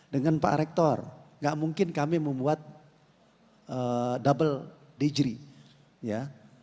dengan pak rektor nggak mungkin kami membuat double degree ya